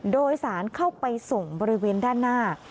โดยสารเข้าไปส่งบริเวณด้านหน้า